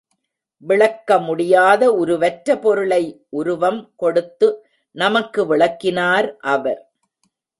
விளக்க முடியாத உருவற்ற பொருளை உருவம் கொடுத்து நமக்கு விளக்கினார் அவர்.